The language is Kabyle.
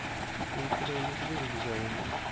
Imeslayen-is d izegzawen.